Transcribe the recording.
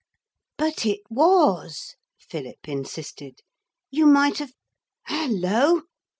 'But it was,' Philip insisted. 'You might have hullo!'